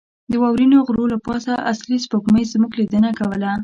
د واورینو غرو له پاسه اصلي سپوږمۍ زموږ لیدنه کوله.